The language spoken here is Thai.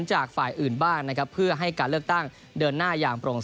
จากฝ่ายอื่นบ้างนะครับให้การเลือกตั้งเดินหน้า